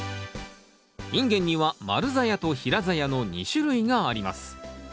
インゲンには丸ざやと平ざやの２種類があります。